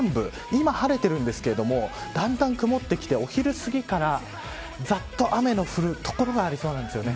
今、晴れてるんですけどだんだん曇ってきてお昼すぎからざっと雨の降る所がありそうなんですよね。